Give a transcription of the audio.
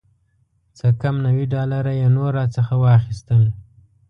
څه کم نوي ډالره یې نور راڅخه واخیستل.